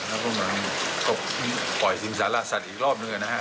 แล้วพนักงานก็ปล่อยสินสาราศัตริย์อีกรอบหนึ่งนะฮะ